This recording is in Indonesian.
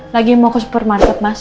lagi mau ke supermarket mas